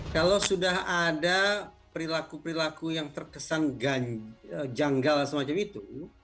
kalau sudah ada perilaku perilaku yang terkesan janggal semacam itu